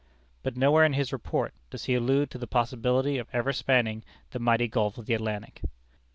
'" But nowhere in his report does he allude to the possibility of ever spanning the mighty gulf of the Atlantic.